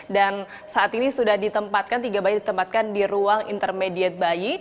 dan saat ini sudah ditempatkan tiga bayi ditempatkan di ruang intermediate bayi